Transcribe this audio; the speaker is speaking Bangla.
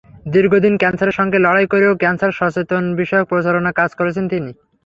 দীর্ঘ দিন ক্যানসারের সঙ্গে লড়াই করেও ক্যানসার সচেতনতাবিষয়ক প্রচারণায় কাজ করছেন তিনি।